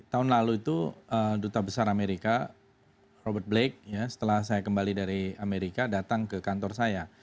tahun lalu itu duta besar amerika robert blake setelah saya kembali dari amerika datang ke kantor saya